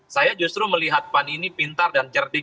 saya justru melihat pan ini pintar dan cerdik